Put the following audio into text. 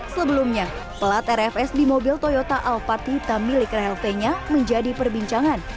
sebelumnya plat rfs di mobil toyota alphard hitam milik rahel fenya menjadi perbincangan